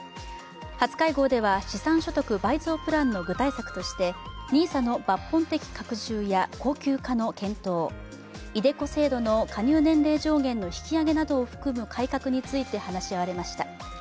初会合では、資産所得倍増プランの具体策としてＮＩＳＡの抜本的拡充や恒久化の検討、ｉＤｅＣｏ制度の、加入年齢上限の引き上げなどを含む改革について話し合われました。